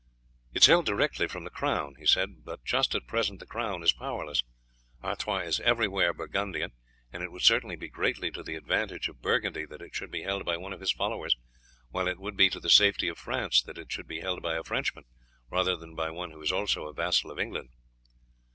"It is held directly from the crown," he said, "but just at present the crown is powerless. Artois is everywhere Burgundian, and it would certainly be greatly to the advantage of Burgundy that it should be held by one of his followers, while it would be to the safety of France that it should be held by a Frenchman, rather than by one who is also a vassal of England."